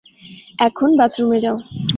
এখন বাথরুমে যাও।